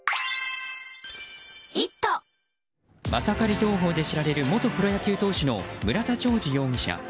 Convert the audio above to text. マサカリ投法で知られる元プロ野球投手の村田兆治容疑者。